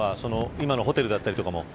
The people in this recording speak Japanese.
今のホテルだったりとかも。